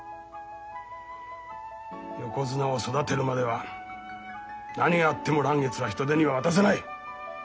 横綱を育てるまでは何があっても嵐月は人手には渡せない。